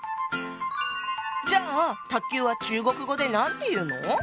じゃあ卓球は中国語で何て言うの？